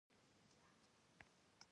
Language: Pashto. مچمچۍ خپل وخت ضایع نه کوي